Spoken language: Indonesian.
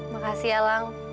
makasih ya lang